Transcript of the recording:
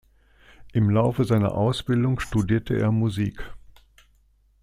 Im Laufe seiner Ausbildung studierte er Musik.